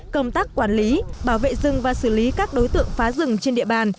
công tác quản lý bảo vệ rừng và xử lý các đối tượng phá rừng trên địa bàn